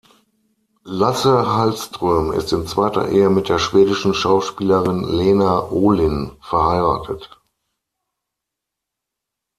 Lasse Hallström ist in zweiter Ehe mit der schwedischen Schauspielerin Lena Olin verheiratet.